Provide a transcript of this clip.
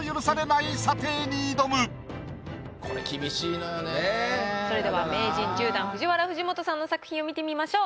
これそれでは名人１０段ＦＵＪＩＷＡＲＡ藤本さんの作品を見てみましょう。